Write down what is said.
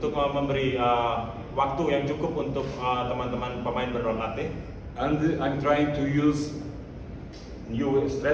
dan saya juga ingin membuat strategi baru untuk membantu pemain untuk meningkatkan performa